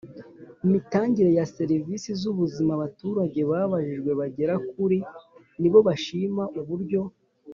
Mitangire ya serivisi z ubuzima abaturage babajijwe bagera kuri nibo bashima uburyo